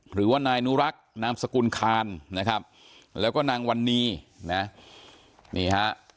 หรือว่านายนุรักษ์นามสกุลคานนะครับแล้วก็นางวันนีนะนี่ฮะ